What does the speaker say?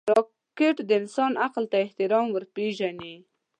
راکټ د انسان عقل ته احترام ورپېژني